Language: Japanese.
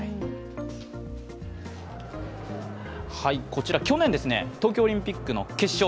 こちら去年、東京オリンピックの決勝。